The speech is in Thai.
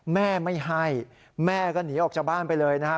แม่ไม่ให้แม่ก็หนีออกจากบ้านไปเลยนะครับ